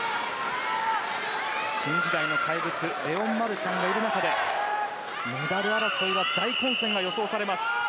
新時代の怪物レオン・マルシャンがいる中でメダル争いは大混戦が予想されます。